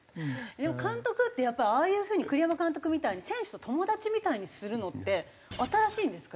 でも監督ってやっぱりああいう風に栗山監督みたいに選手と友達みたいにするのって新しいんですか？